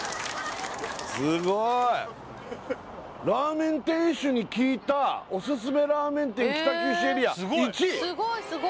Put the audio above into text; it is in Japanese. すごい「ラーメン店主に聞いたお勧めラーメン店北九州エリア１位」！